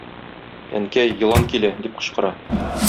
Әнкәй, елан килә, - дип кычкыра.